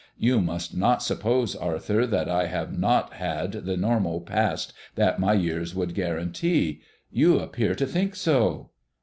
You must not suppose, Arthur, that I have not had the normal past that my years would guarantee. You appear to think so."